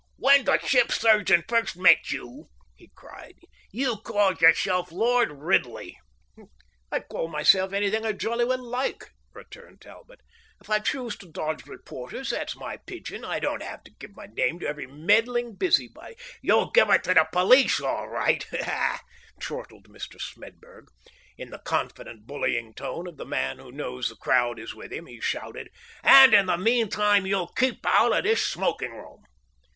"When the ship's surgeon first met you," he cried, "you called yourself Lord Ridley." "I'll call myself anything I jolly well like," returned Talbot. "If I choose to dodge reporters, that's my pidgin. I don't have to give my name to every meddling busybody that " "You'll give it to the police, all right," chortled Mr. Smedburg. In the confident, bullying tone of the man who knows the crowd is with him, he shouted: "And in the meantime you'll keep out of this smoking room!"